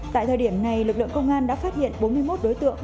tại thời điểm này lực lượng công an đã phát hiện bốn mươi một đối tượng